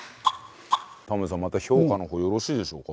タモリさんまた評価の方よろしいでしょうか？